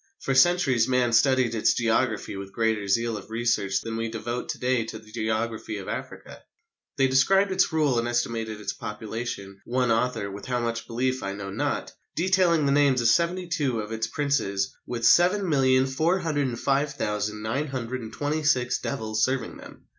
For centuries men studied its geography with greater zeal of research than we devote to day to the geography of Africa. They described its rule and estimated its population, one author, with how much belief I know not, detailing the names of seventy two of its princes with 7,405,926 devils serving them.